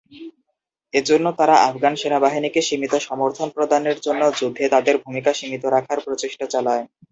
এজন্য তারা আফগান সেনাবাহিনীকে সীমিত সমর্থন প্রদানের মধ্যে যুদ্ধে তাদের ভূমিকা সীমিত রাখার প্রচেষ্টা চালায়।